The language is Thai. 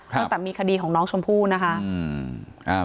ตั้งแต่มีคดีของน้องชมพู่นะคะ